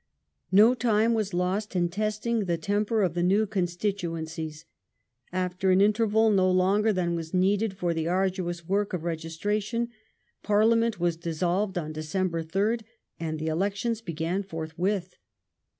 No time was lost in testing the temper of the new constitu encies. After an interval no longer than was needed for the arduous work of registration. Parliament was dissolved on De cember 3rd, and the elections began forthwith.